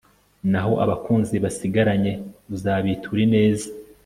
naho abakunzi basigaranye uzabitura ineza